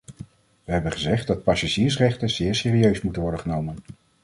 We hebben gezegd dat passagiersrechten zeer serieus moeten worden genomen.